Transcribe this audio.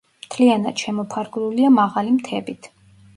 მთლიანად შემოფარგლულია მაღალი მთებით.